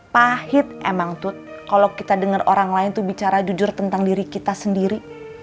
pahit emang tuh kalau kita dengar orang lain tuh bicara jujur tentang diri kita sendiri